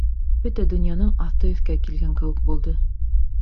Бөтә донъяның аҫты-өҫкә килгән кеүек булды.